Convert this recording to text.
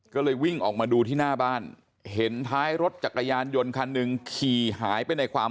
ก็เลยวิ่งออกมาดูที่หน้าบ้านเห็นท้ายรถจักรยานยนต์คันหนึ่งขี่หายไปในความ